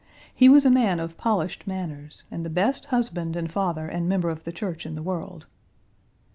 He was a man of polished manners, and the best husband and father and member of the church in the world."